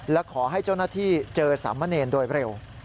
และขอให้เจ้าหน้าที่เจอสามเณรโดยเร็ว